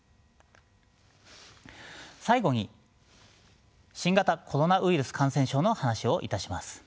最後に新型コロナウイルス感染症の話をいたします。